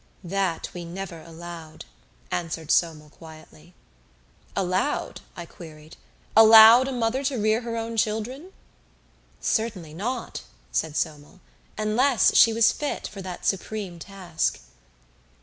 "That we never allowed," answered Somel quietly. "Allowed?" I queried. "Allowed a mother to rear her own children?" "Certainly not," said Somel, "unless she was fit for that supreme task."